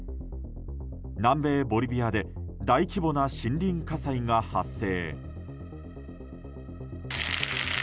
南米ボリビアで大規模な森林火災が発生。